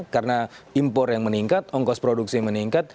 karena impor yang meningkat ongkos produksi yang meningkat